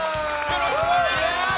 よろしくお願いします。